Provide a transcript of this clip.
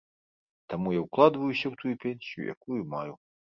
Таму я ўкладваюся ў тую пенсію, якую маю.